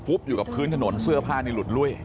อยู่กับพื้นถนนเสื้อผ้านี่หลุดลุ้ย